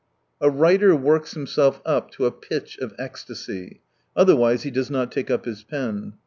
A writer works himself up to a pitch of ecstasy, otherwise he does not take up his pen.